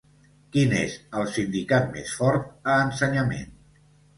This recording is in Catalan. Quin és el sindicat més fort a ensenyament?